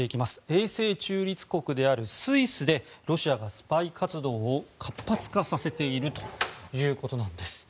永世中立国であるスイスでロシアがスパイ活動を活発化させているということなんです。